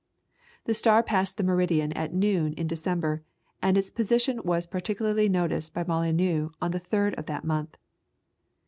The star passed the meridian at noon in December, and its position was particularly noticed by Molyneux on the third of that month.